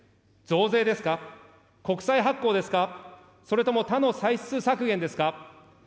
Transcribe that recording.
増税ですか、国債発行ですか、それとも他の歳出削減ですか。